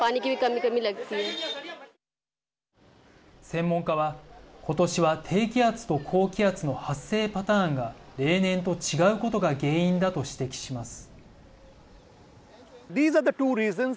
専門家は、ことしは低気圧と高気圧の発生パターンが例年と違うことが原因だと指摘します。